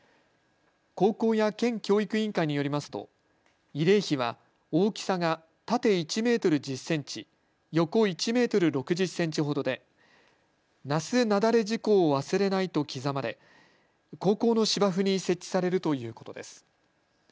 高校や県教育委員会によりますと慰霊碑は大きさが縦１メートル１０センチ、横１メートル６０センチほどで那須雪崩事故を忘れないと刻まれ高校の芝生に設置されるということです。